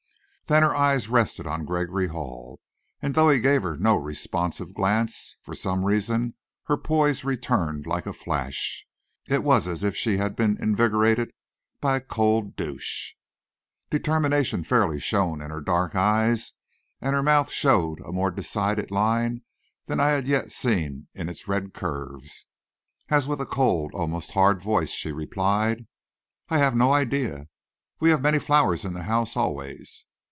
Then her eyes rested on Gregory Hall, and, though he gave her no responsive glance, for some reason her poise returned like a flash. It was as if she had been invigorated by a cold douche. Determination fairly shone in her dark eyes, and her mouth showed a more decided line than I had yet seen in its red curves, as with a cold, almost hard voice she replied, "I have no idea. We have many flowers in the house, always."